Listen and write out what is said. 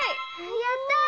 やったぁ！